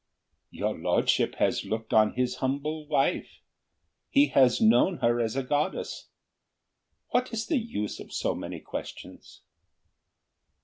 "Your lordship has looked on his humble wife; he has known her as a goddess. What is the use of so many questions?"